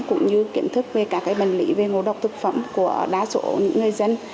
cũng như kiến thức về các bệnh lý về ngộ độc thực phẩm của đa số những người dân